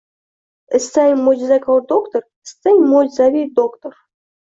Istang mo’jizakor doktor, istang mo’jizaviy doctor